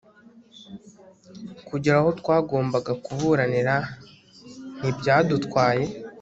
Kugera aho twagombaga kuburanira ntibyadutwaye